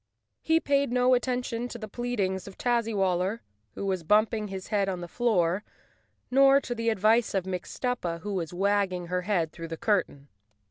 He paid no attention to the pleadings of Tazzywaller, who was bumping his head on the floor, nor to the advice of Mix tuppa, who was wagging her head through the cur¬ tain.